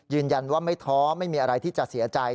ยืนยันว่าไม่ท้อไม่มีอะไรที่จะเสียใจ